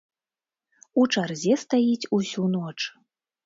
У чарзе стаіць усю ноч.